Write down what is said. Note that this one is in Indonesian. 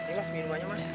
ini mas minumannya mas